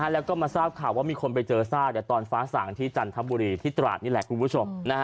แล้วก็มีคุณผู้เจอฟ้าสั่นอ่ะตอนฟ้าสั่งที่จารทัพบุหรีที่ตราดนี่แหละคุณผู้ชม